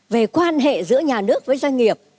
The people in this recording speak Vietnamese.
về quan hệ giữa nhà nước với doanh nghiệp